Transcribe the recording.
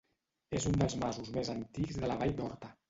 És un dels masos més antics de la vall d'Horta.